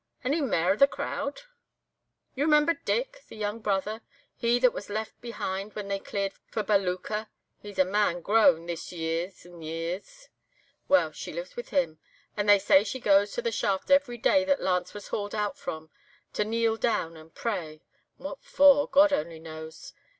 Any mair of the crowd?' "'You remember Dick?—the young brother—he that was left behind when they cleared for Balooka—he's a man grown, this years and years; well, she lives with him. And they say she goes to the shaft every day that Lance was hauled out from, to kneel down and pray. What for, God only knows.